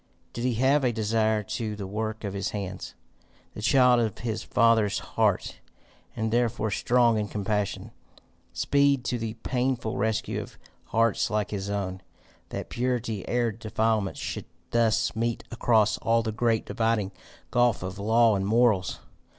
Did he have a desire to the work of his hands, the child of his father's heart, and therefore, strong in compassion, speed to the painful rescue of hearts like his own? That purity arid defilement should thus meet across all the great dividing gulf of law and morals!